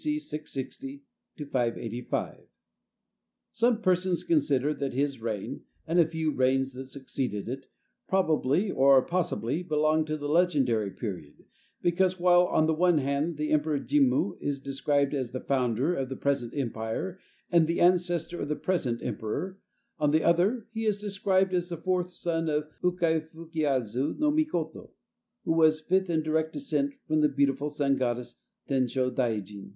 C. 660 to 585. Some persons consider that this reign, and a few reigns that succeeded it, probably or possibly belong to the legendary period, because while, on the one hand, the Emperor Jimmu is described as the founder of the present empire and the ancestor of the present emperor, on the other, he is described as the fourth son of Ukay Fukiaezu no Mikoto, who was fifth in direct descent from the beautiful sun goddess, Tensho Daijin.